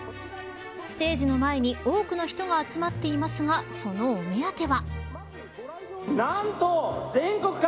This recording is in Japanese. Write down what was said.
ステージの前に多くの人が集まっていますがその、お目当ては。